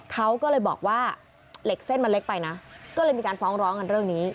เขาก็เลยบอกว่าเหล็กเส้นมันเล็กไปนะก็เลยมีการฟ้องร้องกันเรื่องนี้